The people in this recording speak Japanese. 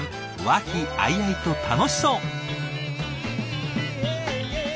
和気あいあいと楽しそう！